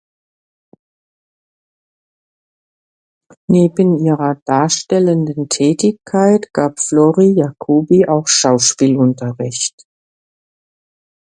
Neben ihrer darstellenden Tätigkeit gab Flory Jacobi auch Schauspielunterricht.